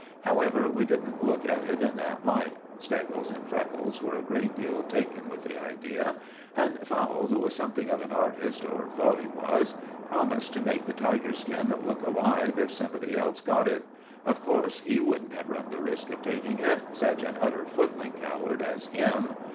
However, we didn't look at it in that light. Steggles and Freckles were a great deal taken with the idea, and Fowle, who was something of an artist, or thought he was, promised to make the tiger skin look alive if somebody else got it. Of course he wouldn't have run the risk of taking it—such an utter footling coward as him.